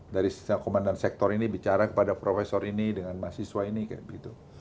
dari komandan sektor ini bicara kepada profesor ini dengan mahasiswa ini kayak begitu